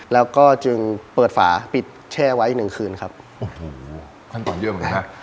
แล้วก็จึงเปิดฝาปิดแช่ไว้หนึ่งคืนครับโอ้โหขั้นตอนเยอะเหมือนกันฮะ